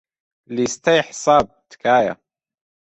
لیستەی حساب، تکایە.